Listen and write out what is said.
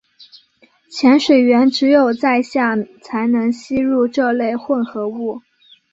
潜水员只有在下才能吸入这类混合物。